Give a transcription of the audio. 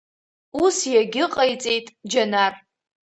Ус иагьыҟаиҵеит Џьанар.